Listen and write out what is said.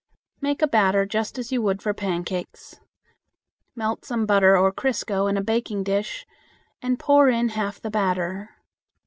Make a batter just as you would for pancakes. Melt some butter or crisco in a baking dish and pour in half the batter.